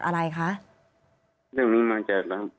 คุณประทีบขอแสดงความเสียใจด้วยนะคะ